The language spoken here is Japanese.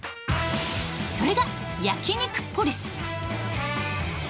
それが焼肉ポリス。